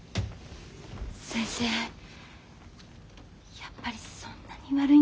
やっぱりそんなに悪いんですか？